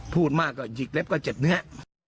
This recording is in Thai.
พูดมากก็หยิกเล็บก็เจ็บเนื้อ